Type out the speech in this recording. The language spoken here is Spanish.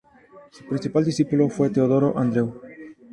Su principal discípulo fue Teodoro Andreu.